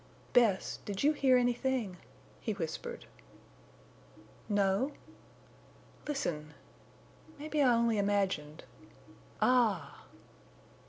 "Bess, did you hear anything?" he whispered. "No." "Listen!... Maybe I only imagined—_Ah!